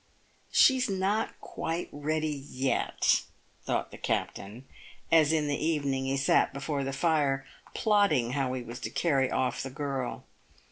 " She's not quite ready yet," thought the captain, as in the even ing he sat before the fire plotting how he was to carry off the girl.